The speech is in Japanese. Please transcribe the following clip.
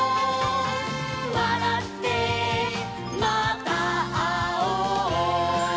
「わらってまたあおう」